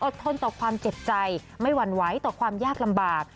ทนต่อความเจ็บใจไม่หวั่นไหวต่อความยากลำบาก